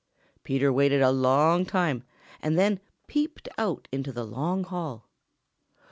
Peter waited a long time and then peeped out into the long hall.